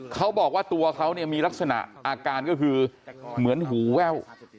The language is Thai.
เขาบอกว่าตัวเขาเนี่ยมีลักษณะอาการก็คือเหมือนหูแว่ว